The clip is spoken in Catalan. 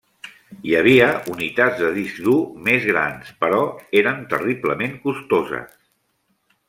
Hi havia unitats de disc dur més grans, però eren terriblement costoses.